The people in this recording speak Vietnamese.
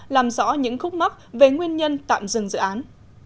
làm rõ những khúc mắc về nguyên nhân tạm dừng dự án